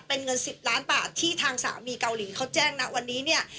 เป็นเงิน๑๐ล้านบาทที่ทางสามีเกาหลีเขาแจ้งนะวันนี้เนี่ย